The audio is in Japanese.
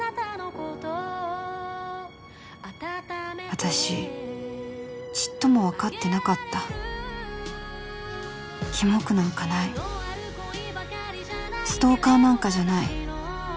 私ちっとも分かってなかったキモくなんかないストーカーなんかじゃない